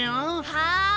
はい！